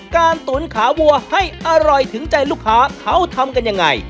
ตุ๋นขาวัวให้อร่อยถึงใจลูกค้าเขาทำกันยังไง